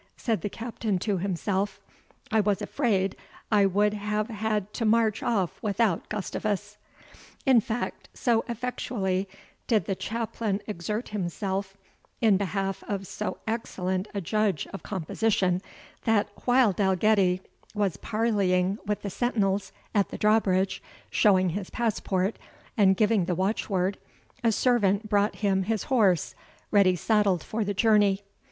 said the Captain to himself. "I was afraid I would have had to march off without Gustavus." In fact, so effectually did the chaplain exert himself in behalf of so excellent a judge of composition, that while Dalgetty was parleying with the sentinels at the drawbridge, showing his passport, and giving the watchword, a servant brought him his horse, ready saddled for the journey.